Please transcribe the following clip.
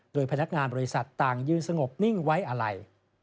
โดยพนักงานบริษัทต่างยืนสงบนิ่งไว้อะไร